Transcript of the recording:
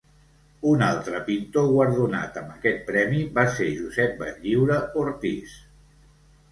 Un altre pintor guardonat amb aquest premi va ser Josep Benlliure Ortiz.